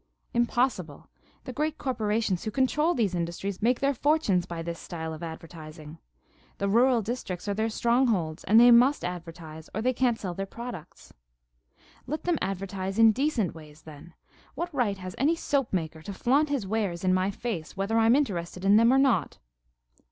"Impossible. The great corporations who control these industries make their fortunes by this style of advertising. The rural districts are their strongholds. And they must advertise or they can't sell their products." "Let them advertise in decent ways, then. What right has any soap maker to flaunt his wares in my face, whether I'm interested in them or not?"